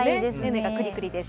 目がクリクリです。